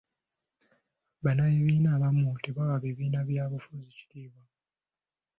Bannabibiina abamu tebawa bibiina bya bufuzi kitiibwa.